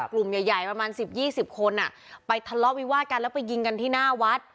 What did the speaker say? กลุ่มใหญ่ประมาณ๑๐๒๐คนไปทะเลาะวิวาดกันแล้วไปยิงกันที่หน้าวัด